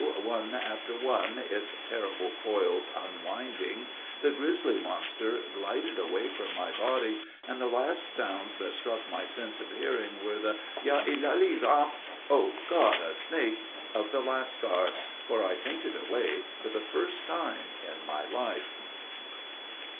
one after one its terrible coils unwinding, the grisly monster glided away from my body; and the last sounds that struck my sense of hearing were the "Ya illahi samp!" Oh God! a snake! of the lascar; for I fainted away for the first time in my life.